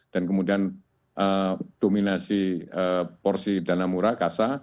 dan kemudian dominasi porsi dana murah kasa